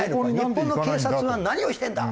日本の警察は何をしてるんだ！